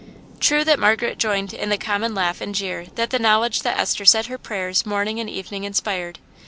True that Margaret joined in the common laugh and jeer that the knowledge that Esther said her prayers morning and evening inspired.